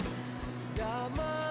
kau buat hatiku ciut